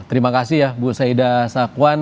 terima kasih ya bu saida sakwan